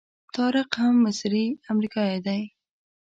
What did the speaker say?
طارق هم مصری امریکایي دی.